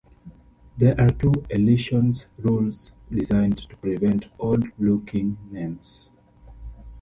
There are two elision rules designed to prevent odd-looking names.